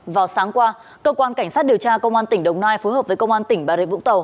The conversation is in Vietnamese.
vào sáng qua cơ quan cảnh sát điều tra công an tỉnh đồng nai phối hợp với công an tỉnh bà rê vũng tàu